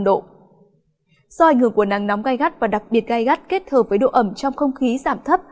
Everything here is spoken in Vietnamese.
do ảnh hưởng của nắng nóng gai gắt và đặc biệt gai gắt kết hợp với độ ẩm trong không khí giảm thấp